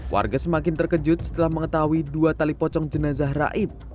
warga semakin terkejut setelah mengetahui dua tali pocong jenazah raib